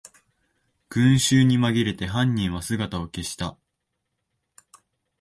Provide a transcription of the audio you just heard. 群集にまぎれて犯人は姿を消した